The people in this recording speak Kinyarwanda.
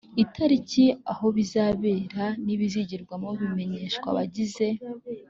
itariki aho izabera n ibizigirwamo bimenyeshwa abagize